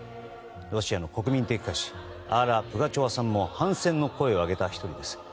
ロシアの国民的歌手アーラ・プガチョワさんも反戦の声を上げた１人です。